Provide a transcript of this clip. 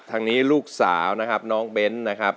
ทางนี้ลูกสาวนะครับน้องเบ้นนะครับ